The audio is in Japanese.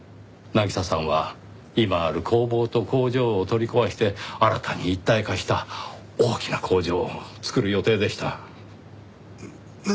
渚さんは今ある工房と工場を取り壊して新たに一体化した大きな工場を造る予定でした。